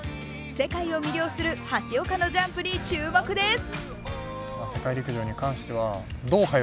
世界を魅了する橋岡のジャンプに注目です。